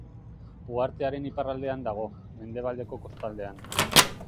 Uhartearen iparraldean dago, mendebaldeko kostaldean.